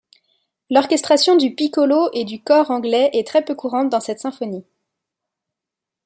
L'orchestration du piccolo et du cor anglais est très peu courante dans cette symphonie.